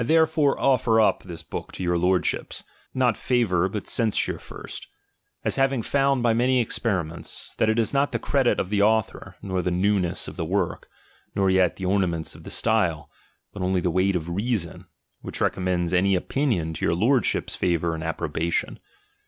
therefore oflFer up this book to your Lordship's, not favour, but censure first ; as having found by many experiments, that it is not the credit of the author, nor the newness of the work, nor yet the orna ment of the style, but only the weight of reason, which recommends any opinion to your Lordship's favour and approbation.